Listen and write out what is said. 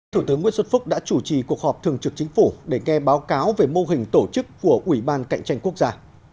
thủ tướng nguyễn xuân phúc đã chủ trì cuộc họp thường trực chính phủ để nghe báo cáo về mô hình tổ chức của ủy ban cạnh tranh quốc gia